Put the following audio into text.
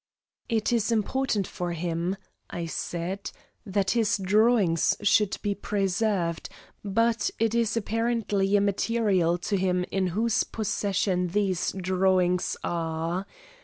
"It is important for him," I said, "that his drawings should be preserved, but it is apparently immaterial to him in whose possession these drawings are.